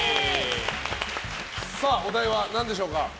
お題は何でしょうか？